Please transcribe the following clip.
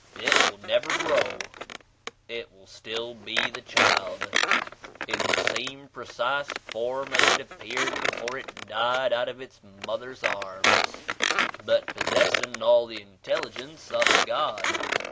It will never grow: it will still be the child, in the same precise form as it appeared before it died out of its mother's arms, but possessing all the intelligence of a God.